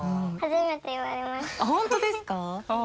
本当ですか？